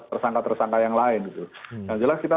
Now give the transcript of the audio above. tersangka tersangka yang lain jelas kita